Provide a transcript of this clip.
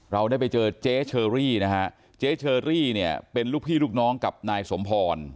เราได้ไปเจอเจ๊เชอรี่นะฮะเจ๊เชอรี่เนี่ยเป็นลูกพี่ลูกน้องกับนายสมพร